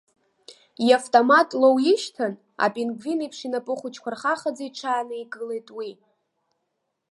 Иавтомат лоуижьҭын, апингвин еиԥш инапы хәыҷқәа рхахаӡа иҽааникылеит уи.